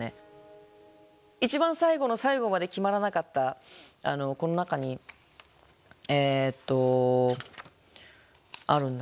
一番最後の最後まで決まらなかったこの中にえっとあるんだけどね。